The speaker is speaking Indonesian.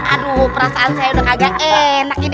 aduh perasaan saya udah kagak enak ini